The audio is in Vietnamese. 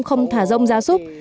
không thả rông gia súc